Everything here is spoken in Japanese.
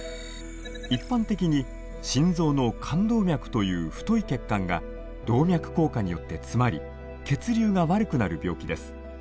一般的に心臓の冠動脈という太い血管が動脈硬化によって詰まり血流が悪くなる病気です。